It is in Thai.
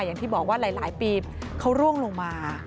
อย่างที่บอกว่าหลายปีเขาร่วงลงมา